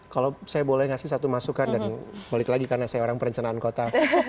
kalau saya boleh ngasih satu masukan dan balik lagi karena saya orang perencanaan kota